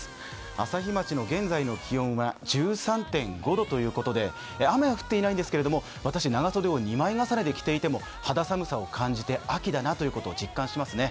朝日町の現在の気温は１３．５度ということで雨は降っていないんですけれども私、長袖を二枚重ねで着ていても肌寒さを感じて、秋だなということを実感しますね。